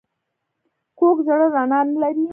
کوږ زړه رڼا نه لري